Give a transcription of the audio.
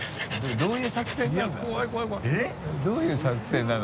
どういう作戦なの？